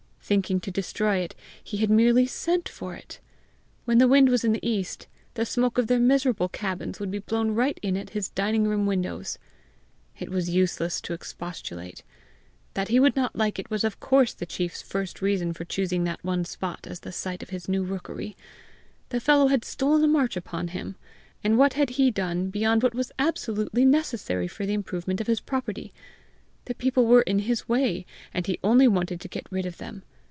Thinking to destroy it, he had merely sent for it! When the wind was in the east, the smoke of their miserable cabins would be blown right in at his dining room windows! It was useless to expostulate! That he would not like it was of course the chief's first reason for choosing that one spot as the site of his new rookery! The fellow had stolen a march upon him! And what had he done beyond what was absolutely necessary for the improvement of his property! The people were in his way, and he only wanted to get rid of them!